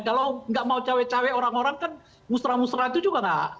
kalau nggak mau cawe cawe orang orang kan musrah musrah itu juga nggak